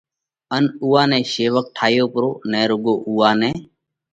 ان اُوئا نئہ شيوڪ ٺايو پرو، نہ رُوڳو اُوئا نئہ